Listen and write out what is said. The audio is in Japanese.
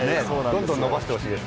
どんどん伸ばしてほしいです。